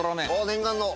念願の。